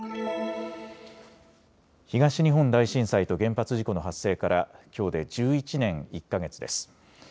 東日本大震災と原発事故の発生からきょうで１１年１か月です。